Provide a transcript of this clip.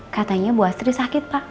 katanya bu astri sakit pak